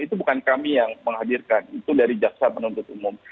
itu bukan kami yang menghadirkan itu dari jaksa penuntut umum